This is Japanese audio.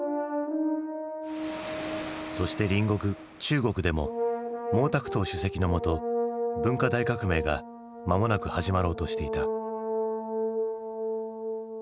そして隣国中国でも毛沢東主席のもと文化大革命が間もなく始まろうとしていた。